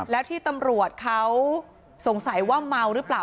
แล้วที่ตำรวจเขาสงสัยว่าเมาหรือเปล่า